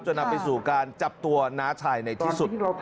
นำไปสู่การจับตัวน้าชายในที่สุด